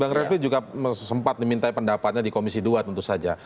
bang refli juga sempat diminta pendapatnya di komisi dua tentu saja